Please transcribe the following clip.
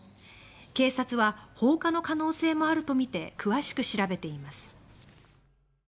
警察は放火の可能性もあるとみて詳しく調べています。